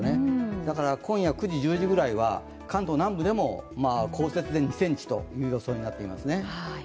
だから今夜９時、１０時ぐらいには関東南部でも降雪２ｃｍとなっています。